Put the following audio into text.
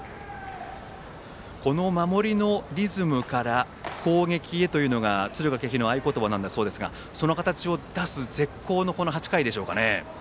この守りのリズムから攻撃へというのが敦賀気比の合言葉だそうですがその形を出す絶好の８回でしょうか。